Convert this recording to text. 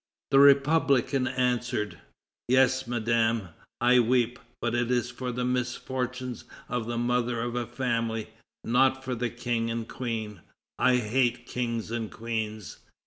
The republican answered: "Yes, Madame, I weep, but it is for the misfortunes of the mother of a family, not for the King and Queen; I hate kings and queens."